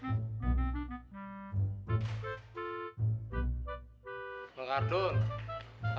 ini kan enak tuh